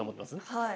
はい。